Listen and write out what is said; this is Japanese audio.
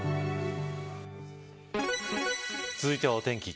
続いてはお天気。